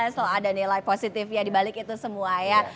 selalu ada nilai positif ya dibalik itu semua ya